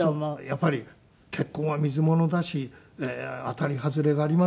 やっぱり結婚は水物だし当たり外れがありますよね。